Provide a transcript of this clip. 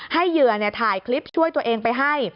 ให้เหยื่อเนี่ยถ่ายคลิปช่วยตัวเองไปให้